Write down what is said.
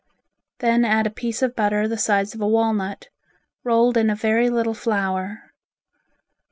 Then add a piece of butter the size of a walnut, rolled in a very little flour.